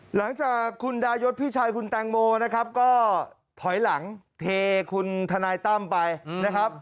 หลังจากคุณดายศพี่ชายคุณแตงโมนะครับก็ถอยหลังเทคุณทนายตั้มไปนะครับ